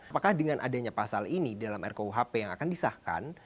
apakah dengan adanya pasal ini dalam rkuhp yang akan disahkan